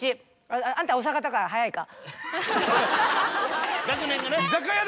あんた大阪だから早いか。